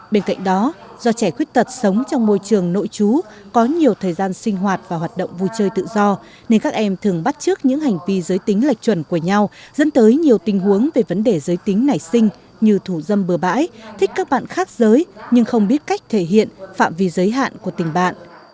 bên cạnh đó do trẻ khuyết tật sống trong môi trường nội trú có nhiều thời gian sinh hoạt và hoạt động vui chơi tự do nên các em thường bắt trước những hành vi giới tính lệch chuẩn của nhau dẫn tới nhiều tình huống về vấn đề giới tính nảy sinh như thủ dâm bừa bãi thích các bạn khác giới nhưng không biết cách thể hiện phạm vi giới hạn của tình bạn